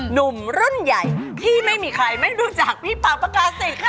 หนุ่มรุ่นใหญ่ที่ไม่มีใครไม่รู้จักพี่ปากประกาศิษค่ะ